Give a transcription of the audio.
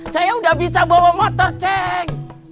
saya udah bisa bawa motor ceng